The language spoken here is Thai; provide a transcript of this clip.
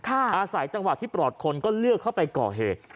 อาศัยจังหวะที่ปลอดคนก็เลือกเข้าไปก่อเหตุ